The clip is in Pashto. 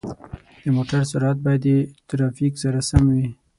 د موټر سرعت باید د ترافیک سره سم وي.